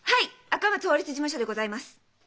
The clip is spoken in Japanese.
赤松法律事務所でございます。